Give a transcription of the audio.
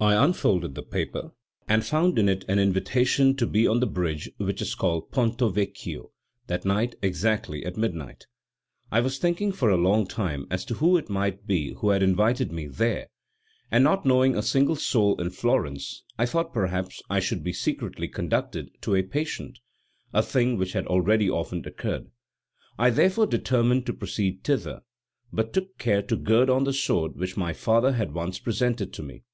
I unfolded the paper, and found in it an invitation to be on the bridge which is called Ponto Vecchio that night exactly at midnight. I was thinking for a long time as to who it might be who had invited me there; and not knowing a single soul in Florence, I thought perhaps I should be secretly conducted to a patient, a thing which had already often occurred. I therefore determined to proceed thither, but took care to gird on the sword which my father had once presented to me.